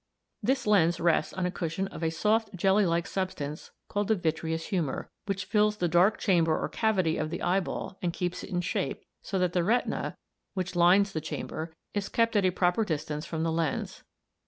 This lens rests on a cushion of a soft jelly like substance v, called the vitreous humour, which fills the dark chamber or cavity of the eyeball and keeps it in shape, so that the retina r, which lines the chamber, is kept at a proper distance from the lens.